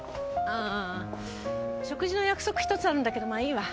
うーん食事の約束ひとつあるんだけどまあいいわ。